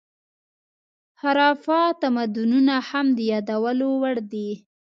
هاراپا تمدنونه هم د یادولو وړ دي.